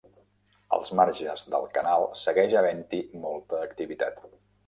Als marges del canal segueix havent-hi molta activitat.